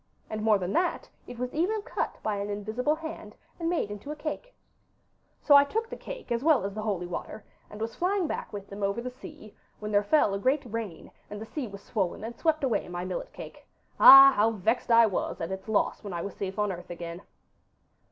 And more than that, it was even cut by an invisible hand, and made into a cake. 'So I took the cake as well as the holy water, and was flying back with them over the sea, when there fell a great rain, and the sea was swollen, and swept away my millet cake. Ah, how vexed I was at its loss when I was safe on earth again.